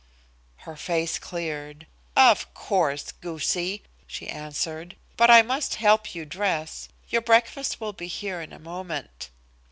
Her face cleared. "Of course, goosie," she answered. "But I must help you dress. Your breakfast will be here in a moment."